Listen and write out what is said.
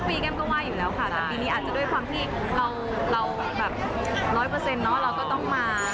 ปีแก้มก็ว่าอยู่แล้วค่ะแต่ปีนี้อาจจะด้วยความที่เราแบบ๑๐๐เนอะเราก็ต้องมา